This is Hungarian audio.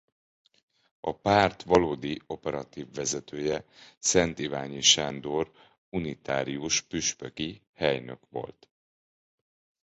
A párt valódi operatív vezetője Szent-Iványi Sándor unitárius püspöki helynök volt.